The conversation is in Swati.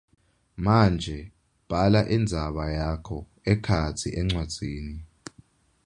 Manje bhala indzaba yakho ekhatsi encwadzini.